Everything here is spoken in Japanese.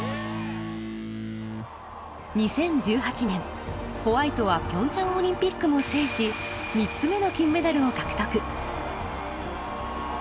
２０１８年ホワイトはピョンチャンオリンピックも制し３つ目の金メダルを獲得。